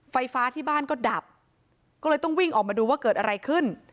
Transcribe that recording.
ไฟฟ้าที่บ้านก็ดับก็เลยต้องวิ่งออกมาดูว่าเกิดอะไรขึ้น